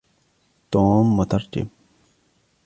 توم مترجم.